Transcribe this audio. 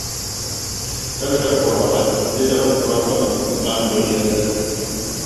Өр-өтөр буолбата, били дьонум розаларын туппутунан бу иһэллэр